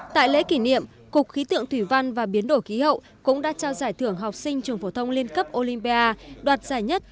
tại lễ kỷ niệm cục khí tượng thủy văn và biến đổi khí hậu cũng đã trao giải thưởng học sinh trường phổ thông liên cấp olympia đoạt giải nhất